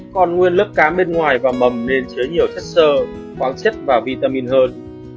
còn nguyên lớp cám bên ngoài và mầm nên chế nhiều chất xơ khoáng chất và vitamin hơn